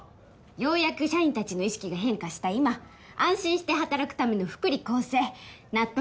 ようやく社員たちの意識が変化した今安心して働くための福利厚生納得